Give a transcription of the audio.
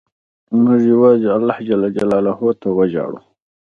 موږ یوازې الله ته وژاړو.